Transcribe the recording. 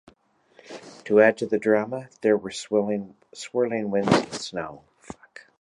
To add to the drama, there were swirling winds and snow.